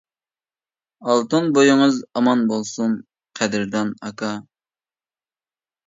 ئالتۇن بويىڭىز ئامان بولسۇن قەدىردان ئاكا!